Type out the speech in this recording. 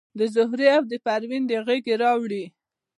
د زهرې او د پروین د غیږي راوړي